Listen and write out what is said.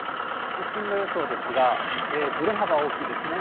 進路予想ですが、ぶれ幅大きいですね。